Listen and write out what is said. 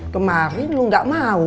kemarin lo gak mau